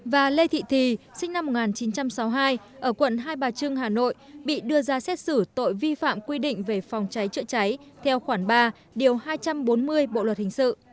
và lê thị thì sinh năm một nghìn chín trăm sáu mươi hai ở quận hai bà trưng hà nội bị đưa ra xét xử tội vi phạm quy định về phòng cháy chữa cháy theo khoản ba điều hai trăm bốn mươi bộ luật hình sự